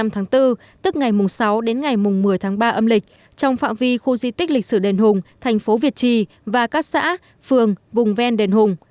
một mươi tháng bốn tức ngày sáu đến ngày một mươi tháng ba âm lịch trong phạm vi khu di tích lịch sử đền hùng thành phố việt trì và các xã phường vùng ven đền hùng